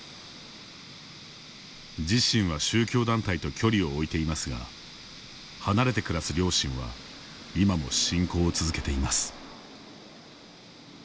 自身は宗教団体と距離を置いていますが離れて暮らす両親は今も信仰を続けています。